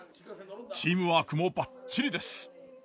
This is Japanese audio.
チームワークもバッチリです。